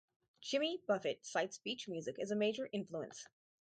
Jimmy Buffett cites beach music as a major influence.